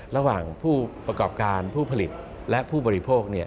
ระหว่างผู้ประกอบการผู้ผลิตและผู้บริโภค